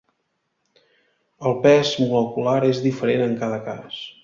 El pes molecular és diferent en cada cas.